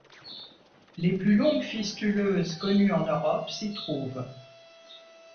Les plus longues fistuleuses connues en Europe s'y trouvent.